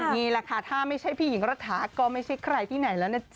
นี่แหละค่ะถ้าไม่ใช่พี่หญิงรัฐาก็ไม่ใช่ใครที่ไหนแล้วนะจ๊